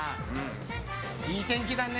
いい天気だね